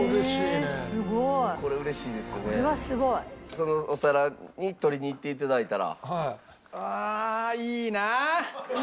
そのお皿に取りに行っていただいたら。